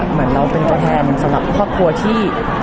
เหมือนเราเป็นตัวแทนสำหรับครอบครัวที่